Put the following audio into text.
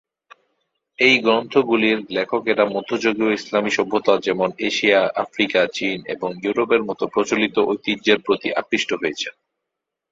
এই গ্রন্থগুলির লেখকরা মধ্যযুগীয় ইসলামী সভ্যতা যেমন এশিয়া, আফ্রিকা, চীন এবং ইউরোপের মতো প্রচলিত ঐতিহ্যের প্রতি আকৃষ্ট হয়েছেন।